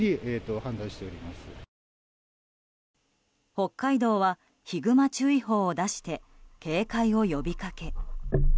北海道はヒグマ注意報を出して警戒を呼びかけ。